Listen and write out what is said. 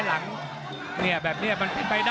โหโหโหโหโห